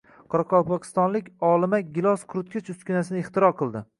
Qoraqalpog‘istonlik olima gilos quritgich uskunasini ixtiro qildi